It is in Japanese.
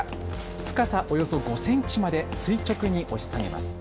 深さおよそ５センチまで垂直に押し下げます。